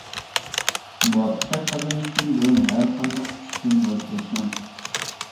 مۇۋەپپەقىيەت قازىنىشتىن بۇرۇن ھەرقانداق ئىشتىن ۋاز كەچمەڭ.